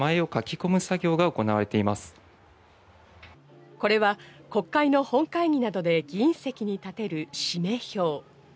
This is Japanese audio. これは、国会の本会議などで議員席に立てる氏名標。